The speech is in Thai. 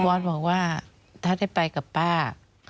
ออสบอกว่าถ้าได้ไปกับป้า